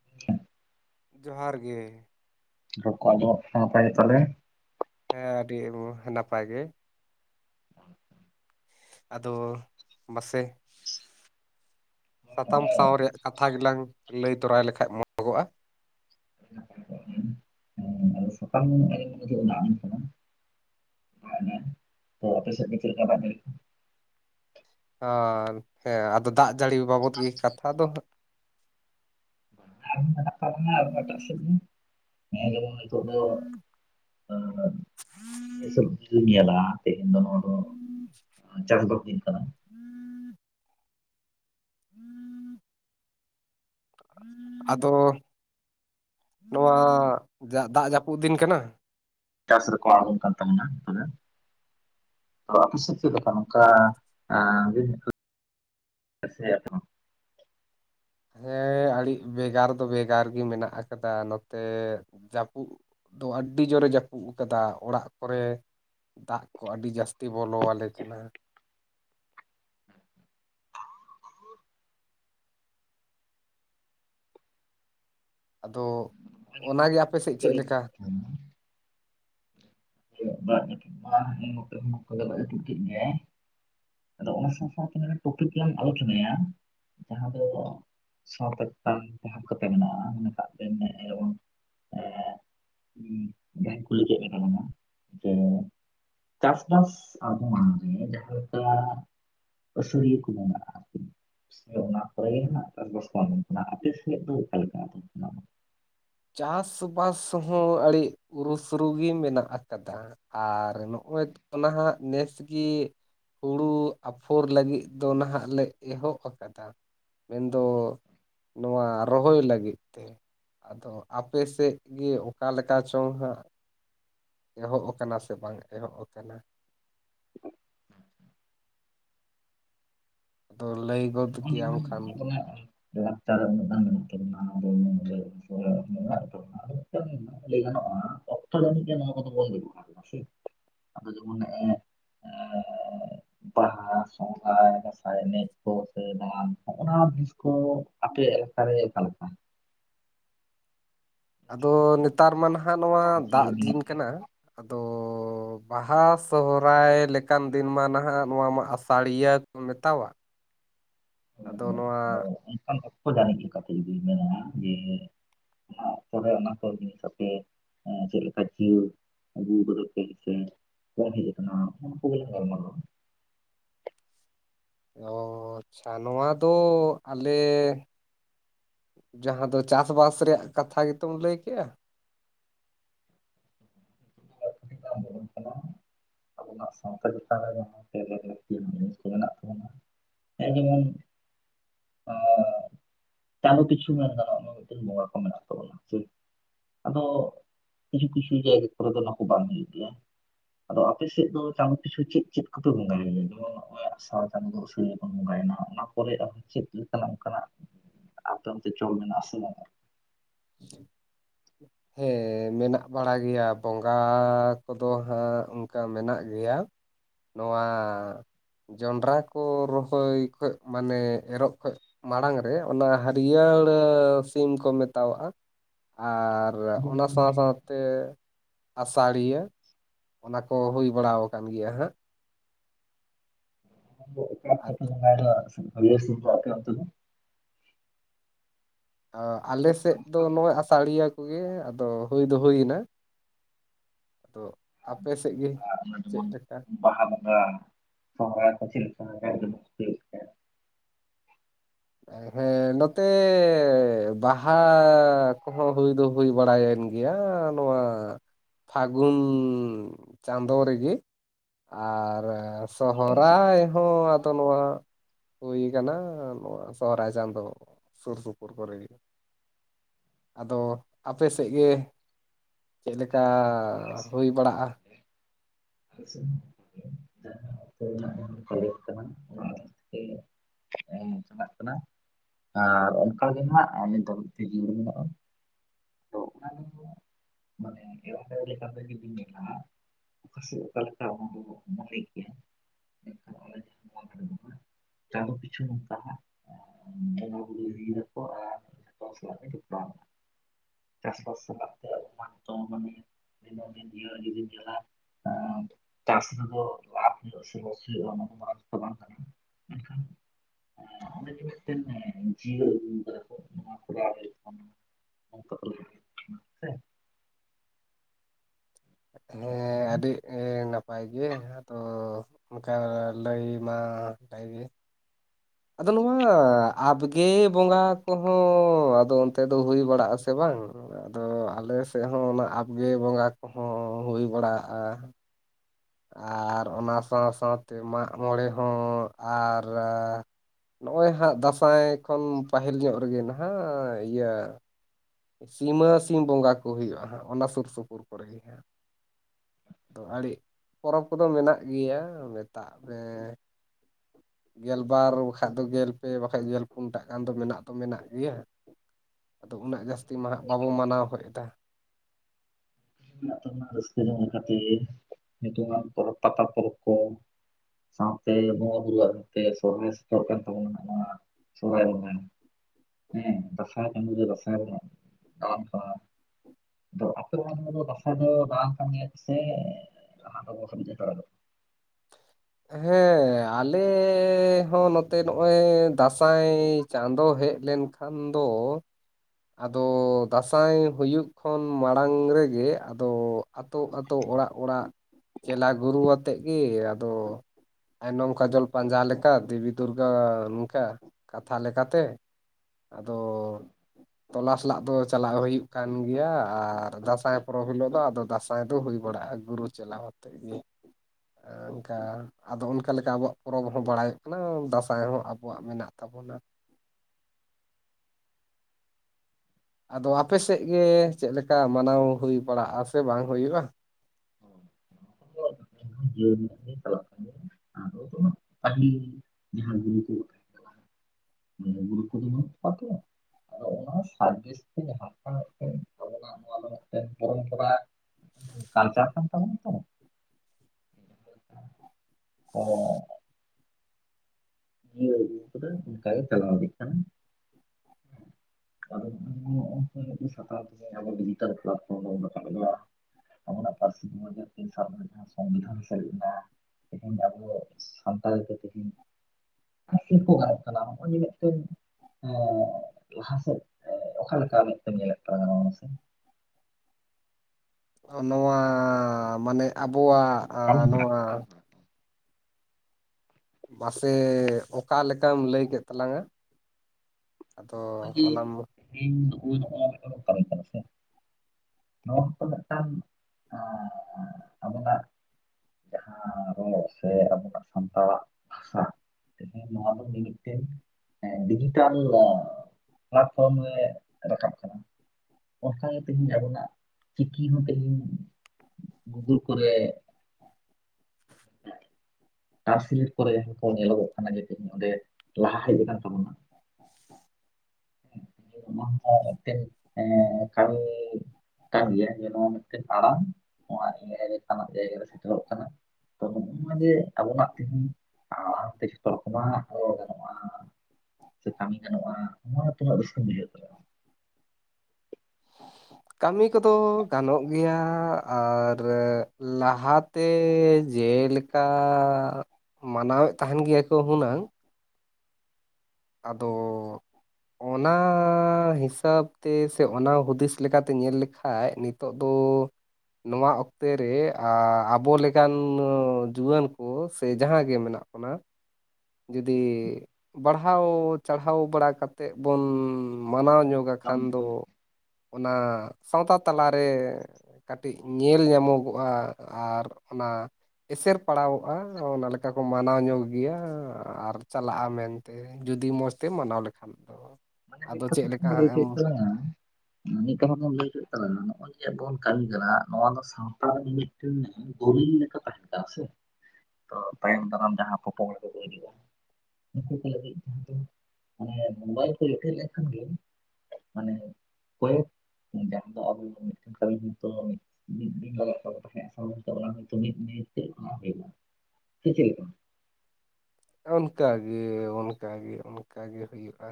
[unintelligible] ᱡᱚᱦᱟᱨ ᱜᱮ [unintelligible] ᱛᱟᱦᱚᱞᱮ ᱦᱮᱸ ᱟᱹᱰᱤ ᱱᱟᱯᱟᱭ ᱜᱮ ᱟᱫᱚ ᱢᱟᱥᱮ ᱥᱟᱛᱟᱢ ᱥᱟᱶ ᱨᱮᱭᱟᱜ ᱠᱟᱛᱷᱟ ᱜᱮᱞᱟᱝ ᱞᱟᱹᱭ ᱛᱚᱨᱟ ᱞᱮᱠᱷᱟᱱ ᱢᱚᱡᱚᱜᱚᱜᱼᱟ [unintelligible] [unintelligible] [unintelligible] ᱛᱚ ᱟᱯᱮ ᱥᱮᱫ ᱫᱚ ᱪᱮᱫ ᱞᱮᱠᱟ ᱫᱟᱜ ᱡᱟᱲᱤ ᱟᱨ ᱦᱮᱸ ᱟᱫᱚ ᱫᱟᱜ ᱡᱟᱹᱲᱤ ᱵᱟᱵᱚᱫ ᱜᱮ ᱠᱟᱛᱷᱟ ᱫᱚ ᱦᱟᱸᱜ [inaudible] ᱮᱠᱫᱚᱢ ᱱᱤᱛᱳᱜ ᱫᱚ [unintelligible] ᱪᱟᱥᱵᱟᱥ ᱦᱩᱭ ᱠᱟᱱᱟ [unintelligible] ᱟᱫᱚ ᱱᱚᱣᱟ ᱫᱟᱜ ᱡᱟᱹᱯᱩᱫ ᱫᱤᱱ ᱠᱟᱱᱟ ᱪᱟᱥ ᱨᱮᱠᱚ ᱟᱬᱝᱜᱚᱱ ᱠᱟᱱ ᱛᱟᱵᱚᱱᱟ ᱛᱚᱵᱮ ᱟᱯᱮ ᱥᱮᱡ ᱪᱮᱫ ᱞᱮᱠᱟ ᱱᱚᱝᱠᱟ ᱮᱸ [unintelligible] [unintelligible] ᱦᱮᱸ ᱟᱹᱰᱤ ᱵᱮᱜᱟᱨ ᱫᱚ ᱵᱮᱜᱟᱨ ᱜᱮ ᱢᱮᱱᱟᱜ ᱟᱠᱟᱫᱟ ᱱᱚᱛᱮ ᱡᱟᱹᱯᱩᱫ ᱫᱚ ᱟᱹᱰᱤ ᱡᱳᱨᱮ ᱡᱟᱹᱯᱩᱫ ᱟᱠᱟᱫᱟ ᱚᱲᱟᱜ ᱠᱚᱨᱮ ᱫᱟᱜ ᱠᱚ ᱟᱹᱰᱤ ᱡᱟᱹᱥᱛᱤ ᱵᱚᱞᱚᱣᱟᱞᱮ ᱠᱟᱱᱟ [unintelligible] ᱟᱫᱚ ᱚᱱᱟᱜᱮ ᱟᱯᱮ ᱥᱮᱫ ᱪᱮᱫ ᱞᱮᱠᱟ [unintelligible] [unintelligible] ᱟᱫᱚ ᱚᱱᱟ ᱥᱟᱶ ᱥᱟᱶᱛᱮ [inaudible] ᱴᱚᱯᱤᱠ ᱮᱢ ᱟᱞᱳᱪᱚᱱᱟᱭᱟ ᱡᱟᱦᱟᱸ ᱫᱚ ᱥᱟᱳ ᱛᱮ ᱢᱮᱱᱟᱜᱼᱟ ᱢᱮᱛᱟᱜ ᱵᱚᱱ ᱡᱟᱦᱟᱧ ᱠᱩᱞᱤ ᱠᱮᱫ ᱵᱤᱱᱟ ᱡᱮ ᱪᱟᱥᱵᱟᱥ ᱟᱵᱚ ᱢᱟᱱᱢᱤ ᱡᱟᱦᱟᱸ ᱞᱮᱠᱟ ᱟᱹᱥᱟᱹᱲᱤᱭᱟᱹ ᱠᱚ ᱢᱮᱱᱟ ᱟᱨᱠᱤ ᱥᱮ ᱚᱱᱟ ᱠᱚᱨᱮ ᱜᱮ ᱦᱟᱜ ᱪᱟᱥᱵᱟᱥ ᱠᱚ ᱮᱢ ᱠᱟᱱᱟ ᱟᱯᱮ ᱥᱮᱫ ᱫᱚ ᱚᱠᱟᱞᱮᱠᱟ ᱚᱱᱟ ᱫᱚ ᱪᱟᱥᱵᱟᱥ ᱦᱚᱸ ᱟᱹᱰᱤ ᱩᱨᱩ ᱥᱩᱨᱩ ᱜᱤ ᱢᱮᱱᱟᱜ ᱟᱠᱟᱫᱟ ᱟᱨ ᱟᱨ ᱱᱚᱜᱼᱚᱭ ᱱᱟᱦᱟᱜ ᱱᱮᱥᱜᱮ ᱦᱩᱲᱩ ᱟᱯᱷᱚᱨ ᱞᱟᱹᱜᱤᱫ ᱫᱚ ᱱᱟᱦᱟᱜ ᱞᱮ ᱮᱦᱚᱵ ᱟᱠᱟᱫᱟ ᱢᱮᱱᱫᱚ ᱱᱚᱣᱟ ᱨᱚᱦᱚᱭ ᱞᱟᱹᱜᱤᱫ ᱛᱮ ᱟᱫᱚ ᱟᱯ ᱥᱮᱡ ᱜᱮ ᱚᱠᱟᱮ ᱞᱮᱠᱟ ᱪᱚᱝ ᱦᱟᱸᱜ ᱮᱦᱚᱵ ᱟᱠᱟᱱᱟ ᱥᱮ ᱵᱟᱝ ᱮᱦᱚᱵ ᱟᱠᱟᱱᱟ [inaudible] ᱟᱫᱚ ᱞᱟᱹᱭ ᱜᱚᱫ [unintelligible] ᱠᱮᱭᱟᱢ ᱠᱷᱟᱱ [unintelligible] ᱞᱟᱹᱭ ᱜᱟᱱᱚᱜᱼᱟ ᱚᱠᱛᱚ ᱡᱟᱹᱱᱤᱡ ᱜᱮ ᱱᱚᱣᱟ ᱠᱚᱫᱚ [inaudible] ᱦᱩᱭᱩᱜᱼᱟ ᱟᱫᱚ ᱡᱮᱢᱚᱱ ᱱᱮ ᱮ ᱵᱟᱦᱟ ᱥᱚᱦᱚᱨᱟᱭ ᱫᱟᱸᱥᱟᱭ ᱮᱱᱮᱡ [unintelligible] ᱦᱚᱸᱜᱼᱚᱱᱟ ᱡᱤᱱᱤᱥ ᱠᱚ ᱟᱯᱮ ᱮᱞᱟᱠᱟᱨᱮ ᱚᱠᱟᱞᱮᱠᱟ ᱟᱫᱚ ᱱᱮᱛᱟᱨ ᱢᱟ ᱱᱟᱦᱟᱜ ᱱᱚᱣᱟ ᱡᱤᱭᱟᱹᱲ ᱫᱟᱜ ᱢᱮᱱᱟᱜ ᱫᱤᱱ ᱜᱮᱭᱟ ᱠᱟᱱᱟ ᱟᱫᱚ ᱵᱟᱦᱟ ᱥᱚᱦᱚᱨᱟᱭ ᱞᱮᱠᱟᱱ ᱫᱤᱱ ᱢᱟ ᱱᱟᱦᱟᱜ ᱱᱚᱣᱟ ᱢᱟ ᱟᱥᱟᱲᱤᱭᱟᱹ ᱢᱮᱛᱟᱣᱟᱜ ᱟᱫᱚ ᱱᱚᱣᱟ ᱟᱫᱚ [unintelligible] ᱪᱮᱫ ᱞᱮᱠᱟ [unintelligible] [unintelligible] ᱜᱟᱞᱢᱟᱨᱟᱣ ᱚ ᱟᱪᱪᱷᱟ ᱱᱚᱣᱟ ᱫᱚ ᱟᱞᱮ, ᱡᱟᱦᱟᱸ ᱫᱚ ᱪᱟᱥᱵᱟᱥ ᱨᱮᱭᱟᱜ ᱠᱟᱛᱷᱟ ᱜᱮᱛᱚᱢ ᱞᱟᱹᱭ ᱠᱮᱜᱼᱟ? [unintelligible] ᱚᱱᱟ ᱥᱟᱶᱛᱟ ᱪᱮᱛᱟᱱ ᱨᱮ ᱡᱟᱦᱟᱸ ᱞᱟᱠ [unintelligible] ᱡᱤᱱᱤᱥ ᱠᱚ ᱢᱮᱱᱟᱜ ᱛᱟᱵᱚᱱᱟ ᱦᱮᱸ ᱡᱮᱢᱚᱱ [unintelligible] ᱪᱟᱸᱫᱩ ᱯᱤᱪᱷᱩ ᱢᱮᱱ ᱜᱟᱱᱚᱜ ᱟ ᱢᱤᱫᱴᱮᱱ [unintelligible] ᱠᱚ ᱢᱮᱱᱟᱜ ᱛᱟᱵᱚᱱᱟ ᱟᱫᱚ ᱠᱤᱪᱷᱩ ᱠᱤᱪᱷᱩ ᱡᱟᱭᱜᱟ ᱠᱚᱨᱮ ᱫᱚ ᱚᱱᱟ ᱠᱚ ᱵᱟᱝ ᱦᱩᱭᱩᱜ ᱜᱮᱭᱟ ᱾ ᱟᱫᱚ ᱟᱯᱮᱥᱮᱫ ᱫᱚ ᱪᱟᱸᱫᱚ ᱯᱤᱪᱷᱩ ᱪᱮᱫ ᱪᱮᱫ ᱠᱚᱯᱮ ᱵᱚᱸᱜᱟᱭ ᱜᱮᱭᱟ ᱡᱮᱢᱚᱱ ᱱᱚᱜᱼᱚᱭ ᱟᱥᱟᱲ ᱪᱟᱸᱫᱳ ᱩᱥᱟᱹᱨ ᱵᱚᱱ ᱵᱚᱸᱜᱟᱭᱮᱱᱟ ᱚᱱᱟ ᱯᱚᱨᱮ ᱟᱨᱦᱚᱸ ᱪᱮᱫ ᱞᱮᱠᱟᱱᱟᱜ ᱚᱱᱠᱟᱱᱟᱜ ᱟᱯᱮ ᱚᱱᱛᱮ ᱪᱚᱞ ᱢᱮᱱᱟᱜ ᱟ ᱥᱮ ᱵᱟᱝᱟ ᱦᱮᱸ ᱢᱮᱱᱟᱜ ᱵᱟᱲᱟ ᱜᱮᱭᱟ ᱵᱚᱸᱜᱟ ᱠᱚᱫᱚ ᱦᱟᱸᱜ ᱚᱱᱠᱟ ᱢᱮᱱᱟᱜ ᱜᱮᱭᱟ ᱱᱚᱣᱟ ᱡᱚᱸᱰᱨᱟ ᱠᱚ ᱨᱚᱦᱚᱭ ᱠᱚᱜ ᱢᱟᱱᱮ ᱮᱨᱚᱜ ᱠᱷᱚᱡ ᱢᱟᱲᱟᱝ ᱨᱮ ᱚᱱᱟ ᱦᱟᱹᱨᱭᱟᱹᱲ ᱥᱤᱢ ᱠᱚ ᱢᱮᱛᱟᱣᱟᱜᱼᱟ ᱟᱨ ᱚᱱᱟ ᱥᱟᱶ ᱥᱟᱶᱛᱮ ᱟᱥᱟᱲᱤᱭᱟᱹ ᱚᱱᱟᱠᱚ ᱦᱩᱭ ᱵᱟᱲᱟ ᱟᱠᱟᱱ ᱜᱮᱭᱟ ᱦᱟᱸᱜ᱾ [unintelligible] ᱟᱞᱮ ᱥᱮᱫ ᱫᱚ ᱱᱚᱣᱟ ᱟᱥ ᱟᱥᱟᱹᱲᱤᱭᱟᱹ ᱠᱚᱜᱮ ᱟᱫᱚ ᱦᱩᱭ ᱫᱚ ᱦᱩᱭ ᱮᱱᱟ ᱟᱫᱚ ᱟᱯᱮ ᱥᱮᱫ ᱜᱮ ᱟᱨ ᱚᱱᱟ ᱪᱮᱫ ᱡᱮᱢᱚᱱ ᱞᱮᱠᱟ? ᱵᱟᱦᱟ ᱵᱚᱸᱜᱟ ᱥᱚᱨᱦᱟᱭ ᱠᱚ ᱪᱮᱫ ᱞᱮᱠᱟ [unintelligible] ᱦᱮᱸ ᱱᱚᱛᱮ ᱵᱟᱦᱟ ᱠᱚᱦᱚᱸ ᱦᱩᱭ ᱫᱚ ᱦᱩᱭ ᱵᱟᱲᱟᱭᱮᱱ ᱜᱮᱼᱼ ᱜᱮᱭᱟ ᱱᱚᱣᱟ ᱯᱷᱟᱹᱜᱩᱱ ᱪᱟᱸᱫᱳ ᱨᱮᱜᱮ᱾ ᱟᱨ ᱮ ᱟᱞᱮ ᱥᱮᱫ ᱫᱚ? ᱥᱚᱦᱚᱨᱟᱭ ᱦᱚᱸ ᱟᱫᱚ ᱱᱚᱣᱟ ᱦᱩᱭ ᱠᱟᱱᱟ ᱱᱚᱣᱟ, ᱥᱚᱦᱚᱨᱟᱭ ᱪᱟᱸᱫᱚ ᱥᱩᱨ ᱥᱩᱯᱩᱨ ᱠᱚᱨᱮ ᱜᱮ᱾ ᱟᱫᱚ ᱟᱯᱮ ᱥᱮᱫ ᱜᱮ ᱪᱮᱫ ᱞᱮᱠᱟ? ᱟᱞᱮᱥᱮᱫ ᱦᱩᱭ ᱦᱚᱸ ᱵᱟᱲᱟᱜᱼᱟ? [unintelligible] [unintelligible] ᱦᱮᱸ ᱪᱟᱞᱟᱜ ᱠᱟᱱᱟ ᱟᱨ ᱚᱱᱠᱟ ᱜᱮ ᱦᱟᱸᱜ ᱱᱤᱛ ᱫᱷᱟᱹᱵᱤᱡ ᱛᱮ ᱡᱤᱭᱚᱱ ᱢᱮᱱᱟᱜᱼᱟ᱾ ᱛᱚ ᱚᱱᱟ ᱫᱚ ᱢᱟᱱᱮ [unintelligible] ᱞᱟᱹᱭ ᱞᱮᱠᱷᱟᱱ ᱫᱚ ᱡᱩᱫᱤᱧ ᱢᱮᱱᱟ ᱚᱠᱟ ᱥᱮᱫ ᱚᱠᱟ ᱞᱮᱠᱟ [unintelligible] ᱢᱮᱱᱠᱷᱟᱱ [inaudible] ᱪᱟᱸᱫᱩ ᱯᱪᱷᱩ ᱱᱚᱝᱠᱟ ᱦᱟᱸᱜ [unintelligible] ᱪᱟᱥᱼᱵᱟᱥ ᱥᱟᱞᱟᱜ ᱛᱚ [unintelligible] ᱪᱟᱥ ᱨᱮᱫᱚ ᱞᱟᱵᱷ ᱦᱩᱭᱩᱜᱼᱟ ᱥᱮ ᱞᱚᱥ ᱦᱩᱭᱩᱜ ᱟ ᱚᱱᱟ ᱫᱚ ᱢᱟᱬᱟᱝ ᱠᱟᱛᱷᱟ ᱫᱚ ᱵᱟᱝ ᱠᱟᱱᱟ [unintelligible] ᱮᱱᱠᱷᱟᱱ [unintelligible] ᱡᱮᱣᱮᱫ ᱟ. ᱜᱩᱣ ᱠᱟᱫᱟ ᱠᱚ ᱱᱚᱣᱟ ᱠᱚᱨᱟᱣ ᱦᱩᱭᱩᱜ ᱛᱟᱵᱚᱱᱟ ᱚᱱᱠᱟ ᱠᱚ ᱞᱟ. ᱭᱟ ᱦᱮ ᱟᱹᱰᱤ ᱱᱟᱯᱟᱭ, ᱱᱟᱯᱟᱭ ᱜᱮ ᱟᱫᱚ ᱚᱱᱠᱟ ᱞᱟᱹᱭ ᱢᱟ ᱞᱟᱹᱭᱜᱮ, ᱟᱫᱚ ᱱᱚᱣᱟ ᱟᱵᱜᱮ ᱵᱚᱸᱜᱟ ᱠᱚᱦᱚᱸ ᱟᱫᱚ ᱚᱱᱛᱮ ᱫᱚ ᱦᱩᱭ ᱵᱟᱲᱟᱜ ᱟᱥᱮ ᱵᱟᱝ? ᱟᱫᱚ ᱟᱞᱮ ᱥᱮᱫ ᱦᱚᱸ ᱚᱱᱟ ᱟᱵᱜᱮ ᱵᱚᱸᱜᱟ ᱠᱚᱦᱚᱸ ᱦᱩᱭ ᱵᱟᱲᱟᱜᱼᱟ᱾ ᱟᱨ ᱚᱱᱟ ᱥᱟᱶ ᱥᱟᱶᱛᱮ ᱢᱟᱜ ᱢᱚᱬᱮ ᱦᱚᱸ ᱟᱨ ᱱᱚᱜᱼᱚᱭ ᱦᱟᱸᱜ ᱫᱟᱸᱥᱟᱭ ᱠᱷᱚᱱ ᱯᱟᱹᱦᱤᱞ ᱧᱚᱜ ᱨᱮᱜᱮ ᱱᱟᱦᱟᱜ ᱤᱭᱟᱹ ᱥᱤᱢᱟᱹ ᱥᱤᱢ ᱵᱚᱸᱜᱟ ᱠᱚ ᱦᱩᱭᱩᱜᱼᱟ ᱦᱟᱸᱜ ᱚᱱᱟ ᱥᱩᱨᱥᱩᱯᱩᱨ ᱠᱚᱨᱮ ᱜᱮ ᱦᱟᱸᱜ᱾ ᱟᱫᱚ ᱟᱹᱰᱤ ᱯᱚᱨᱚᱵᱽ ᱠᱚᱫᱚ ᱢᱮᱱᱟᱜ ᱜᱮᱭᱟ ᱢᱮᱛᱟᱜ ᱢᱮ, ᱜᱮᱞᱵᱟᱨ ᱵᱟᱠᱷᱟᱡ ᱫᱚ ᱜᱮᱞ ᱯᱮ ᱵᱟᱠᱷᱟᱡ ᱜᱮᱞ ᱯᱩᱱᱴᱟᱜ ᱜᱟᱱ ᱫᱚ ᱢᱮᱱᱟᱜ ᱫᱚ ᱢᱮᱱᱟᱜ ᱜᱮᱭᱟ᱾ ᱟᱫᱚ ᱩᱱᱟᱹᱜ ᱡᱟᱹᱥᱛᱤ ᱢᱟᱦᱟᱜ ᱵᱟᱵᱚ ᱢᱟᱱᱟᱣ ᱦᱚ ᱮᱫᱟ᱾ ᱟᱹᱛᱩ ᱨᱮᱱᱟᱜ ᱨᱟᱹᱥᱠᱟᱹ ᱧᱚᱝ ᱠᱷᱟᱹᱛᱤᱨ ᱱᱤᱛᱚᱝᱟᱱ ᱯᱚᱨᱚᱵᱽ ᱯᱟᱛᱟ ᱯᱚᱨᱚᱵᱽ ᱠᱚ ᱥᱟᱶᱛᱮ ᱵᱚᱸᱜᱟ ᱵᱩᱨᱩᱣᱟᱜ ᱢᱮᱱᱛᱮ ᱥᱚᱨᱚᱦᱦᱟᱭ ᱥᱮᱴᱮᱨᱚᱜ ᱠᱟᱱ ᱛᱟᱵᱚᱱᱟ ᱱᱚᱣᱟ [unintelligible] ᱥᱚᱨᱦᱟᱭ ᱵᱳᱝᱜᱟ ᱦᱮᱸ ᱫᱟᱸᱥᱟᱭ ᱪᱟᱸᱫᱩ ᱨᱮ ᱫᱟᱸᱥᱟᱭ ᱵᱚᱝᱜᱟ [unintelligible] ᱟᱫᱚ ᱟᱯᱮᱫᱚ ᱫᱟᱸᱥᱟᱭ ᱫᱚ ᱵᱟᱝ ᱠᱚ ᱮᱱᱮᱡ ᱜᱮᱭᱟ ᱥᱮ ᱞᱟᱦᱟ ᱫᱚᱠᱚ [unintelligible] ᱦᱮᱸ ᱟᱞᱮ ᱦᱚᱸ ᱱᱚᱛᱮ ᱱᱚᱜᱼᱚᱭ ᱫᱟᱸᱥᱟᱭ ᱪᱟᱸᱫᱚ ᱦᱮᱡ ᱞᱮᱱᱠᱷᱟᱱ ᱫᱚ ᱟᱫᱚ ᱫᱟᱸᱥᱟᱭ ᱦᱩᱭᱩᱜ ᱠᱷᱚᱱ ᱢᱟᱲᱟᱝ ᱨᱮᱜᱮ ᱟᱫᱚ ᱟᱹᱛᱩ ᱟᱹᱛᱩ ᱚᱲᱟᱜ ᱚᱲᱟᱜ ᱪᱮᱞᱟ ᱜᱩᱨᱩ ᱟᱛᱮᱫ ᱜᱮ ᱟᱫᱚ ᱟᱭᱱᱚᱢ ᱠᱟᱡᱚᱞ ᱯᱟᱸᱡᱟ ᱞᱮᱠᱟ ᱫᱮᱵᱤ ᱫᱩᱨᱜᱟ ᱱᱚᱝᱠᱟ ᱠᱟᱛᱷᱟ ᱞᱮᱠᱟᱛᱮ ᱟᱫᱚ ᱚᱱᱟ ᱥᱟᱞᱟᱜ ᱫᱚ ᱪᱟᱞᱟᱜ ᱦᱩᱭᱩᱜ ᱠᱟᱱ ᱜᱮᱭᱟ ᱟᱨ ᱫᱟᱸᱥᱟᱭ ᱯᱚᱨᱚᱵᱽ ᱦᱤᱞᱟ. ᱜ ᱫᱚ ᱫᱟᱸᱥᱟᱭ ᱫᱚ ᱦᱩᱭ ᱵᱟᱲᱟᱜᱼᱟ ᱜᱩᱨᱩ ᱪᱮᱞᱟᱣ ᱟᱛᱮᱫ ᱜᱮ ᱚᱱᱠᱟ, ᱟᱫᱚ ᱚᱱᱠᱟ ᱞᱮᱠᱟ ᱟᱵᱚᱣᱟᱜ ᱯᱚᱨᱚᱵᱽ ᱦᱚᱸ ᱵᱟᱲᱟᱭᱚᱜ ᱠᱟᱱᱟ ᱫᱟᱸᱥᱟᱭ ᱦᱚᱸ ᱟᱵᱚᱣᱟᱜ ᱢᱮᱱᱟᱜ ᱛᱟᱵᱚᱱᱟ᱾ ᱟᱫᱚ ᱟᱯᱮ ᱥᱮᱫ ᱜᱮ ᱪᱮ ᱪᱮᱫ ᱞᱮᱠᱟ ᱢᱟᱱᱟᱣ ᱦᱩᱭ ᱵᱟᱲᱟᱜᱼᱟ ᱥᱮ ᱵᱟᱝ ᱦᱩᱭᱩᱜᱼᱟ? [unintelligible] ᱯᱟᱹᱦᱤᱞ ᱡᱟᱦᱟᱸ ᱜᱩᱨᱩ ᱠᱚ ᱛᱟᱦᱮᱸ ᱠᱟᱱᱟ [unintelligible] [unintelligible] ᱱᱚᱣᱟ ᱫᱚ ᱢᱤᱫᱴᱮᱱ ᱯᱚᱨᱚᱢᱯᱚᱨᱟ ᱠᱟᱞᱪᱟᱨ ᱠᱟᱱ ᱛᱟᱵᱚᱱᱟ ᱛᱚ [unintelligible] [unintelligible] ᱡᱤᱭᱟᱹᱲ ᱟᱹᱜᱩ ᱠᱟᱫᱟ ᱚᱱᱠᱟᱜᱮ ᱪᱟᱞᱟᱣ ᱤᱫᱤᱜ ᱠᱟᱱᱟ [unintelligible] ᱟᱵᱚᱱᱟᱜ ᱯᱟᱹᱨᱥᱤ ᱫᱩ ᱦᱟᱡᱟᱨ ᱛᱤᱱ ᱥᱟᱞᱨᱮ ᱡᱟᱦᱟᱸ ᱥᱚᱝᱵᱤᱫᱷᱟᱱ ᱥᱮᱞᱮᱫ ᱮᱱᱟ [unintelligible] ᱛᱮᱦᱮᱧ ᱫᱚ ᱟᱵᱚ ᱥᱟᱱᱛᱟ ᱞᱮᱠᱟ ᱛᱮᱦᱮᱧ [unintelligible] [unintelligible] ᱠᱚ ᱜᱟᱱᱚᱜ ᱠᱟᱱᱟ ᱱᱚᱜᱼᱚᱭ ᱡᱮ ᱢᱤᱫᱴᱮᱱ [unintelligible] ᱞᱟᱦᱟ ᱥᱮᱫ ᱚᱠᱟᱞᱮᱠᱟ ᱢᱮᱫ ᱛᱮᱢ ᱧᱮᱞᱮᱫ ᱛᱟᱞᱟᱝᱟ ᱢᱟᱥᱮ ᱱᱚᱣᱟ ᱢᱟᱱᱮ ᱟᱵᱚᱣᱟᱜ ᱠᱟᱹᱢᱤ ᱦᱚᱨᱟ ᱱᱚᱣᱟ ᱢᱟᱥᱮ ᱚᱠᱟ ᱞᱮᱠᱟᱢ ᱞᱟᱹᱭ ᱠᱮᱫ ᱛᱟᱞᱟᱝᱟ ᱟᱫᱚ ᱱᱚᱜᱼᱚᱭ ᱡᱮ ᱚᱱᱟᱢ ᱛᱮᱦᱮᱧ ᱱᱚᱜᱼᱚᱭ ᱱᱚᱜᱼᱚ [unintelligible] ᱠᱟᱱᱟ ᱥᱮ [unintelligible] ᱱᱚᱣᱟ ᱦᱚᱸ ᱛᱚ ᱢᱤᱫᱴᱟᱝ ᱚᱵᱚᱛᱟᱨ [unintelligible] ᱡᱟᱦᱟᱸ ᱨᱚᱲ ᱥᱮ ᱟᱵᱚᱣᱟᱜ ᱥᱟᱱᱛᱟᱲᱟᱜ ᱵᱷᱟᱥᱟ ᱛᱮᱦᱮᱧ ᱱᱚᱣᱟ ᱫᱚ ᱢᱤ ᱢᱤᱫᱴᱮᱱ ᱰᱤᱡᱤᱴᱟᱞ ᱮᱯ ᱯᱷᱳᱱ ᱨᱮ ᱮ ᱨᱟᱠᱟᱵ ᱠᱟᱱᱟ ᱚᱱᱠᱟᱜᱮ ᱛᱮᱦᱤᱧ ᱟᱵᱚᱱᱟᱜ ᱪᱤᱠᱤ ᱦᱚᱸ ᱛᱮᱦᱤᱧ ᱜᱩᱜᱩᱞ ᱠᱚᱨᱮ [unintelligible] ᱴᱨᱟᱱᱥᱞᱮᱴ ᱠᱚᱨᱮ ᱡᱟᱦᱟᱸ ᱠᱚ ᱧᱮᱞᱚᱜᱚᱜ ᱠᱟᱱᱟ ᱡᱮ ᱛᱮᱦᱮᱧ ᱚᱸᱰᱮ ᱞᱟᱦᱟ ᱦᱮᱡ ᱟᱠᱟᱱ ᱛᱟᱵᱚᱱᱟ [unintelligible] ᱠᱟᱹᱢᱤ [unintelligible] ᱠᱟᱱ ᱜᱮᱭᱟ ᱡᱮ ᱱᱚᱣᱟ ᱢᱤᱫᱴᱮᱡ ᱟᱲᱟᱝ ᱱᱚᱣᱟ ᱮ ᱟᱭ ᱞᱮᱠᱟᱱᱟᱜ ᱡᱟᱭᱜᱟ ᱨᱮ ᱥᱮᱴᱮᱨᱚᱜ ᱠᱟᱱᱟ ᱛᱚ ᱱᱚᱜᱼᱚ ᱱᱚᱣᱟ ᱡᱮ ᱟᱵᱚᱱᱟᱜ ᱛᱮᱦᱤᱧ ᱟᱨ ᱛᱮ ᱡᱚᱛᱚ ᱨᱚᱠᱚᱢᱟᱜ ᱚᱞ ᱜᱟᱱᱚᱜᱼᱟ ᱥᱮ ᱠᱟᱹᱢᱤ ᱜᱟᱱᱚᱜᱼᱟ ᱱᱚᱣᱟ ᱦᱚᱸ ᱛᱤᱱᱟᱹᱜ ᱨᱟᱹᱥᱠᱟᱹ ᱵᱩᱡᱷᱟᱹᱜ ᱠᱟᱱᱟ ᱠᱟᱹᱢᱤ ᱠᱚᱫᱚ ᱜᱟᱱᱚᱜ ᱜᱮᱭᱟ ᱟᱨ ᱞᱟᱦᱟᱛᱮ ᱡᱮᱞᱮᱠᱟ ᱠᱟ ᱢᱟᱱᱟᱣᱮᱫ ᱛᱟᱦᱮᱱ ᱜᱮᱭᱟ ᱠᱚ ᱦᱩᱱᱟᱹᱝ ᱟᱫᱚ ᱚᱱᱟ ᱦᱤᱥᱟᱹᱵ ᱛᱮ ᱥᱮ ᱚᱱᱟ ᱦᱩᱫᱤᱥ ᱞᱮᱠᱟᱛᱮ ᱧᱮᱞ ᱞᱮᱠᱷᱟ ᱱᱤᱛ ᱱᱤᱛᱚᱜ ᱫᱚ ᱱᱚᱣᱟ ᱚᱠᱛᱮ ᱨᱮ ᱟᱵᱚ ᱞᱮᱠᱟᱱ ᱡᱩᱣᱟᱹᱱ ᱠᱚ ᱥᱮ ᱡᱟᱦᱟᱸ ᱜᱮ ᱢᱮᱱᱚᱜ ᱠᱟᱱᱟ ᱡᱩᱫᱤ ᱵᱟᱲᱦᱟᱣ ᱪᱟᱲᱦᱟᱣ ᱵᱟᱲᱟ ᱠᱟᱛᱮᱫ ᱵᱚᱱ ᱢᱟᱱᱟᱣ ᱧᱚᱜ ᱞᱮᱠᱷᱟᱱ ᱫᱚ ᱚᱱᱟ ᱥᱟᱶᱛᱟ ᱛᱟᱞᱟᱨᱮ ᱠᱟᱹᱴᱤᱡ ᱧᱮᱞ ᱧᱟᱢᱚᱜᱚᱜᱼᱟ ᱟᱨ ᱚᱱᱟ ᱮᱥᱮᱨ ᱯᱟᱲᱟᱣᱚᱜ-ᱟ ᱚᱱᱟ ᱞᱮᱠᱟ ᱠᱚ ᱢᱟᱱᱟᱣ ᱧᱚᱜ ᱜᱮᱭᱟ ᱟᱨ ᱪᱟᱞᱟᱜ-ᱟ ᱢᱮᱱᱛᱮ ᱡᱩᱫᱤ ᱢᱚᱸᱡᱽ ᱛᱮᱢ ᱢᱟᱱᱟᱣ ᱞᱮᱠᱷᱟᱱ ᱫᱚ ᱢᱟᱱᱮ ᱢᱤᱫ ᱟᱫᱚ ᱪᱮᱫ ᱞᱮᱠᱟ ᱠᱟᱛᱷᱟ ᱦᱟᱸᱜ ᱞᱟᱹᱭ ᱮᱢ ᱠᱮᱫ ᱛᱟᱞᱟᱝᱟ ᱢᱤᱫ ᱠᱟᱛᱷᱟ ᱛᱮᱢ ᱞᱟᱹᱭ ᱠᱮᱫ ᱛᱟᱞᱟᱝᱟ ᱱᱚᱜ-ᱚᱭ ᱪᱮᱫ ᱵᱚᱱ ᱠᱟᱹᱢᱤ ᱠᱟᱱᱟ ᱱᱚᱣᱟ ᱫᱚ ᱥᱟᱣᱛᱟ ᱨᱮ ᱢᱤᱫᱴᱮᱱ ᱵᱳᱨᱮᱞ ᱞᱮᱠᱟ ᱛᱟᱦᱮᱱ ᱠᱟᱱᱟ ᱥᱮ ᱛᱚ ᱛᱟᱭᱚᱢ ᱫᱟᱨᱟᱢ ᱡᱟᱦᱟᱸ ᱯᱷᱚᱴᱚ ᱠᱟᱛᱮᱛ ᱠᱚ ᱦᱤᱡᱩᱜᱼᱟ ᱱᱩᱠᱩ ᱠᱚ ᱞᱟᱹᱜᱤᱫ ᱡᱟᱦᱟ ᱫᱚ ᱢᱟᱱᱮ ᱢᱳᱵᱟᱭᱤᱞ ᱠᱚ ᱡᱚᱴᱮᱫ ᱞᱮᱠᱷᱟᱱ ᱜᱮ ᱢᱟᱱᱮ ᱠᱚᱭᱮᱠ ᱡᱟᱦᱟᱸ ᱫᱚ ᱟᱵᱚ ᱢᱤᱫᱴᱮᱱ ᱠᱟᱹᱢᱤ ᱡᱩᱫ ᱫᱚ ᱢᱤᱫ ᱫᱤᱱ ᱞᱟᱜᱟᱜ ᱛᱟᱵᱚ ᱛᱟᱦᱮᱸᱫ ᱟᱥᱟ ᱛᱟᱵᱚ ᱚᱱᱟ ᱦᱚᱭᱛᱚ ᱢᱤᱫ ᱢᱤᱫ [unintelligible] ᱦᱩᱭᱩᱜ-ᱟ ᱢᱟ ᱥᱮ ᱪᱮᱫ ᱞᱮᱠᱟ ᱚᱱᱠᱟᱜᱮ ᱚᱱᱠᱟᱜᱮ ᱚᱱᱠᱟᱜᱮ ᱦᱩᱭᱩᱜ-ᱟ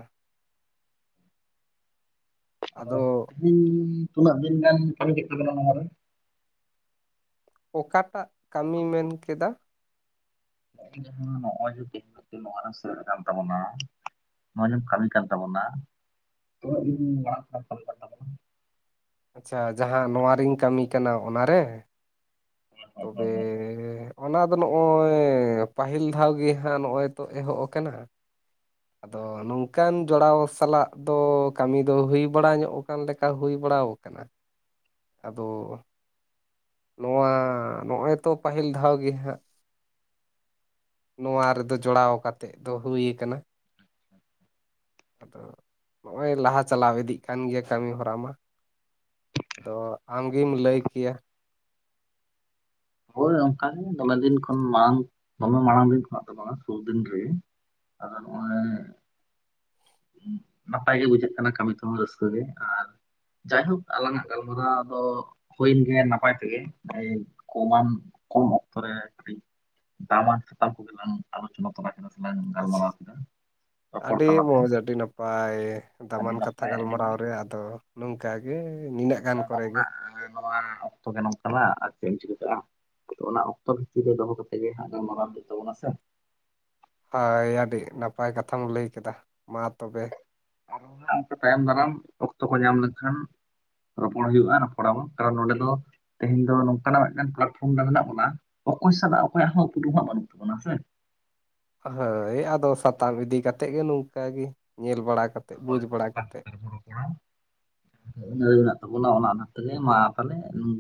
ᱟᱫᱚ ᱦᱩᱸ ᱛᱤᱱᱟᱹᱜ ᱫᱤᱱ ᱜᱟᱱ ᱠᱟᱹᱢᱤ ᱠᱮᱛ ᱛᱟᱞᱟᱝᱟ ᱱᱚᱣᱟ ᱨᱮ ᱚᱠᱟᱴᱟᱜ ᱠᱟᱹᱢᱤ ᱢᱮᱱ ᱠᱮᱫᱟ ᱱᱚᱜᱼᱚᱭ ᱡᱟᱦᱟᱸ ᱱᱚᱜᱼᱚᱭ ᱡᱮ ᱛᱮᱦᱮᱧ ᱱᱚᱣᱟ ᱨᱮ ᱥᱮᱞᱮᱫ ᱠᱟᱱ ᱛᱟᱵᱚᱱᱟ ᱢᱟᱱᱮ ᱠᱟᱹᱢᱤ [unintelligible] ᱠᱟᱱ ᱛᱟᱵᱚᱱᱟ [unintelligible] ᱟᱪᱪᱷᱟ ᱡᱟᱦᱟ ᱱᱚᱣᱟ ᱨᱤᱧ ᱠᱟᱹᱢᱤ ᱠᱟᱱᱟ ᱚᱱᱟᱨᱮ ᱛᱚᱵᱮᱻ ᱚᱱᱟ ᱫᱚ ᱱᱚᱜ-ᱚᱭᱻ ᱯᱟᱹᱦᱤᱞ ᱫᱷᱟᱣ ᱜᱮ ᱦᱟᱸᱜ ᱱᱚᱜ-ᱚᱭ ᱛᱚ ᱮᱦᱚᱵ ᱟᱠᱟᱱᱟ ᱟᱫᱚ ᱱᱚᱝᱠᱟᱱ ᱡᱚᱲᱟᱣ ᱥᱟᱞᱟᱜ ᱫᱚ ᱠᱟᱹᱢᱤ ᱫᱚ ᱦᱩᱭ ᱵᱟᱲᱟ ᱧᱚᱜ ᱟᱠᱟᱱ ᱞᱮᱠᱟ ᱦᱩᱭ ᱵᱟᱲᱟ ᱟᱠᱟᱱᱟ ᱟᱫᱚ ᱱᱚᱣᱟ ᱱᱚᱜ-ᱚᱭ ᱛᱚ ᱯᱟᱹᱦᱤᱞ ᱫᱷᱟᱣ ᱜᱮ ᱦᱟᱸᱜ ᱱᱚᱣᱟ ᱨᱮᱫᱚ ᱡᱚᱲᱟᱣ ᱠᱟᱛᱮᱫ ᱫᱚ ᱦᱩᱭ ᱟᱠᱟᱱᱟ ᱟᱪᱪᱷᱟ [unintelligible] ᱟᱫᱚ ᱱᱚᱜ-ᱚᱭ ᱞᱟᱦᱟ ᱪᱟᱞᱟᱣ ᱤᱫᱤᱜ ᱠᱟᱱ ᱜᱮᱭᱟ ᱠᱟᱹᱢᱤ ᱦᱚᱨᱟ ᱢᱟ ᱟᱫᱚ ᱟᱢᱜᱮᱢ ᱞᱟᱹᱭ ᱠᱮᱭᱟ ᱦᱳᱭ ᱚᱱᱠᱟᱜᱮ ᱫᱚᱢᱮ ᱫᱤᱱ ᱠᱷᱚᱱ ᱵᱟᱝ ᱫᱚᱢᱮ ᱢᱟᱲᱟᱝ ᱫᱤᱱ ᱠᱷᱚᱱᱟᱜ ᱫᱚ ᱵᱟᱝᱟ ᱥᱩᱨ ᱫᱤᱱ ᱜᱤ ᱟᱨ ᱱᱚᱜᱼᱚᱭ ᱱᱟᱯᱟᱭ ᱜᱮ ᱵᱩᱡᱷᱟᱹᱜ ᱠᱟᱱᱟ ᱠᱟᱹᱢᱤ ᱛᱮᱦᱚᱸ ᱨᱟᱹᱥᱠᱟᱹ ᱜᱮ ᱟᱨ ᱡᱟᱭᱦᱳᱠ ᱟᱞᱟᱝᱟᱜ ᱜᱟᱞᱢᱟᱨᱟᱣ ᱫᱚ ᱦᱩᱭᱮᱱ ᱜᱮ ᱱᱟᱯᱟᱭ ᱛᱮᱜᱮ [inaudible] ᱠᱚᱢᱟᱱ ᱠᱚᱢ ᱚᱠᱛᱚ ᱨᱮ ᱠᱟᱹᱴᱤᱡ ᱫᱟᱢᱟᱱ ᱥᱟᱛᱟᱢ ᱠᱚᱜᱮ ᱞᱟᱝ ᱟᱞᱳᱪᱚᱱᱟ ᱛᱚᱨᱟ ᱠᱮᱫᱟ ᱥᱮᱞᱟᱝ ᱟᱪᱪᱷᱟ ᱜᱟᱞᱢᱟᱨᱟᱣ ᱠᱮᱫᱟ ᱨᱚᱯᱚᱲ ᱟᱹᱰᱤ ᱛᱟᱞᱟᱛᱮ ᱢᱚᱸᱡᱽ ᱟᱹᱰᱤ ᱱᱟᱯᱟᱭ ᱟᱹᱰᱤ ᱫᱟᱢᱟᱱ ᱠᱟᱛᱷᱟ ᱱᱟᱯᱟᱭ ᱟᱹᱰᱤ ᱜᱟᱞᱢᱟᱨᱟᱣ ᱢᱚᱸᱡᱽ ᱨᱮ ᱟᱫᱚ ᱱᱚᱝᱠᱟᱜ ᱜᱮ ᱱᱤᱱᱟᱹᱜ ᱜᱟᱱ ᱠᱚᱨᱮ ᱜᱮ ᱟᱵᱚᱱᱟᱜ ᱱᱚᱣᱟ ᱚᱠᱛᱚ ᱜᱮ ᱱᱚᱝ ᱠᱟᱱᱟ ᱟᱨ ᱪᱮᱫ ᱮᱢ ᱪᱤᱠᱟᱹ ᱫᱟᱲᱮᱭᱟᱜᱼᱟ ᱚᱱᱟ ᱚᱠᱛᱚ ᱵᱷᱤᱛᱤᱨ ᱨᱮ ᱫᱚᱦᱚ ᱠᱟᱛᱮᱫ ᱜᱮ ᱦᱟᱸᱜ ᱜᱟᱞᱢᱟᱨᱟᱣ ᱦᱩᱭᱩᱜ ᱛᱟᱵᱚᱱᱟ ᱥᱮ ᱦᱚᱭ ᱟᱹᱰᱤ ᱱᱟᱯᱟᱭ ᱠᱟᱛᱷᱟᱢ ᱞᱟᱹᱭ ᱠᱮᱫᱟ ᱢᱟ ᱛᱚᱵᱮ ᱟᱨᱚ ᱦᱟᱸᱜ ᱚᱱᱠᱟ ᱛᱟᱭᱚᱢ ᱫᱟᱨᱟᱢ ᱚᱠᱛᱚ ᱠᱚ ᱧᱟᱢ ᱞᱮᱱᱠᱷᱟᱱ ᱨᱚᱯᱚᱲ ᱦᱩᱭᱩᱜ-ᱟ ᱨᱚᱯᱚᱲ ᱟᱵᱚᱱ ᱠᱟᱨᱚᱱ ᱱᱚᱸᱰᱮ ᱫᱚ ᱛᱮᱦᱮᱧ ᱫᱚ ᱱᱚᱝᱠᱟᱱᱟᱜ ᱢᱤᱫᱴᱟᱝ ᱯᱞᱟᱴᱯᱷᱚᱨᱚᱢ ᱨᱮ ᱢᱮᱱᱟᱜ ᱵᱚᱱᱟ ᱚᱠᱚᱭ ᱥᱟᱞᱟᱜ ᱚᱠᱚᱭᱟᱜ ᱦᱚᱸ ᱩᱯᱨᱩᱢ ᱦᱟᱸᱜ ᱵᱟᱹᱱᱩᱜ ᱛᱟᱵᱚᱱᱟ ᱦᱮᱸ ᱥᱮ ᱦᱳᱭ ᱟᱫᱚ ᱥᱟᱛᱟᱢ ᱤᱫᱤ ᱠᱟᱛᱮ ᱜᱮ ᱱᱚᱝᱠᱟ ᱜᱮ ᱧᱮᱞ ᱵᱟᱲᱟ ᱠᱟᱛᱮ ᱦᱳ ᱦᱳᱭ ᱥᱟᱛᱟᱢ ᱪᱮᱛᱟᱱ ᱨᱮᱵᱚᱱ ᱨᱚᱯᱚᱲᱟ ᱞᱟᱸᱭ ᱢᱮᱱᱟᱜ ᱛᱟᱵᱚᱱᱟ ᱚᱱᱟ ᱚᱱᱟ ᱛᱮᱜᱮ ᱢᱟ ᱛᱟᱦᱟᱞᱮ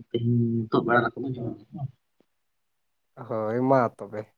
ᱛᱮᱦᱮᱧ ᱱᱤᱛᱚᱜ ᱵᱮᱲᱟ [inaudible] ᱦᱳᱭ ᱢᱟ ᱛᱚᱵᱮ